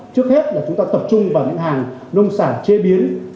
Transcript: trước hết là chúng ta tập trung vào những hàng nông sản chế biến